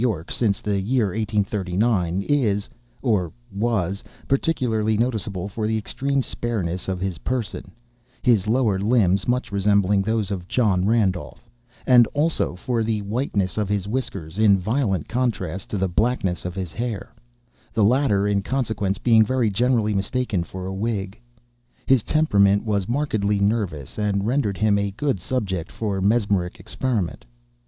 Y., since the year 1839, is (or was) particularly noticeable for the extreme spareness of his person—his lower limbs much resembling those of John Randolph; and, also, for the whiteness of his whiskers, in violent contrast to the blackness of his hair—the latter, in consequence, being very generally mistaken for a wig. His temperament was markedly nervous, and rendered him a good subject for mesmeric experiment.